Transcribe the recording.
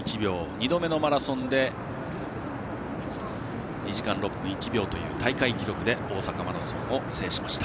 ２度目のマラソンで２時間６分１秒という大会記録で大阪マラソンを制しました。